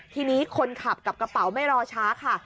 ทีนี้คนขับกับกระเป๋าไม่รอช้าค่ะ